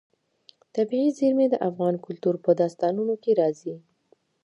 طبیعي زیرمې د افغان کلتور په داستانونو کې راځي.